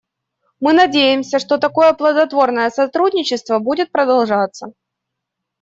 Мы надеемся, что такое плодотворное сотрудничество будет продолжаться.